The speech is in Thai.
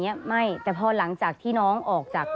เพื่อที่จะได้หายป่วยทันวันที่เขาชีจันทร์จังหวัดชนบุรี